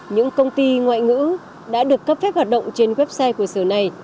những công ty ngoại ngữ đã được cấp phép hoạt động trên website của sở này